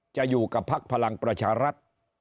จะอยู่กับพักพลังประชารัฐ